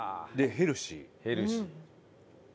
ヘルシー。